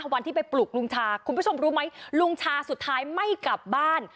วันที่ไปปลุกลุงชาคุณผู้ชมรู้ไหมลุงชาสุดท้ายไม่กลับบ้าน